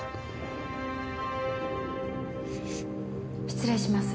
失礼します。